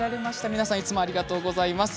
皆さんいつもありがとうございます。